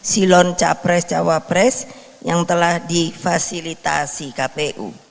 silon capres cawapres yang telah difasilitasi kpu